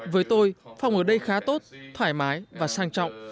với tôi phòng ở đây khá tốt thoải mái và sang trọng